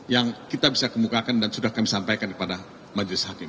yang kita bisa kemukakan dan sudah kami sampaikan kepada majelis hakim